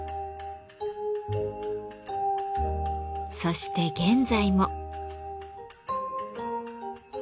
そして現在も。